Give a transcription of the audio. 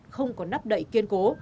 không có nắp đậy kiên cố